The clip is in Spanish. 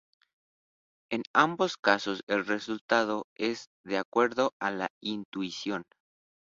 En ambos casos, el resultado es de acuerdo a la intuición.